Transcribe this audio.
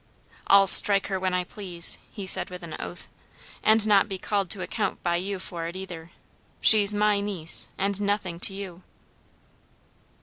"I'll strike her when I please," he said with an oath, "and not be called to account by you for it either; she's my niece, and nothing to you."